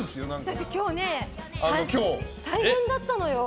私今日、大変だったのよ。